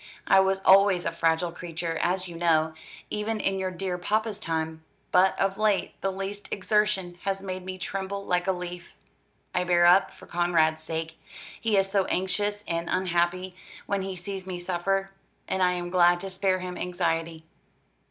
I was always a fragile creature, as you know, even in your dear papa's time; but of late the least exertion has made me tremble like a leaf. I bear up, for Conrad's sake. He is so anxious and unhappy when he sees me suffer, and I am glad to spare him anxiety.